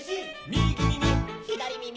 「みぎみみ」「ひだりみみ」